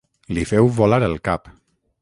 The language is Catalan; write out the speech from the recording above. Li feu volar el cap.